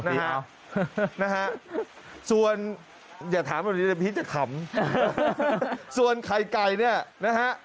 นะฮะส่วนอย่าถามแบบนี้เดี๋ยวพี่จะขำส่วนไข่ไก่เนี่ยนะฮะ